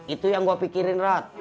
itu yang gua pikirin rod